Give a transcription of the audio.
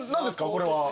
これは。